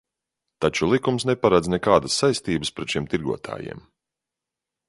Taču likums neparedz nekādas saistības pret šiem tirgotājiem.